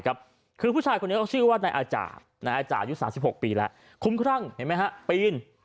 คือผู้ชายคนนี้เขาชื่อว่านายอาจ่านายอาจ่ายุทธ์๓๖ปีแล้วคุ้มคร่างปีน